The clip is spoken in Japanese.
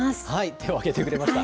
手を挙げてくれました。